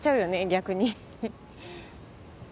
逆に。